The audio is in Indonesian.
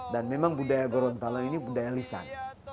dan memang budaya gorontalo ini budaya lisan